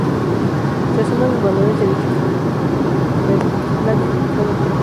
Se suman los valores de dichos dados para intentar que superen la dificultad objetivo.